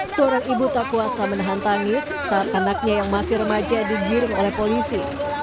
seorang ibu tak kuasa menahan tangis saat anaknya yang masih remaja digiring oleh polisi